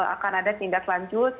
akan ada tindak lanjut